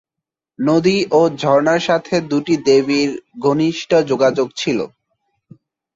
নদী ও ঝর্ণার সাথে দুটি দেবীর ঘনিষ্ঠ যোগাযোগ ছিল।